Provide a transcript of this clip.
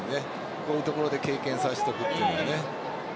こういうところで経験させておくというのはね。